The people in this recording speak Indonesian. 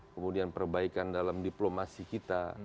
kemudian perbaikan dalam diplomasi kita